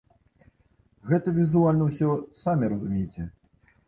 Гэта візуальна ўсё, самі разумееце.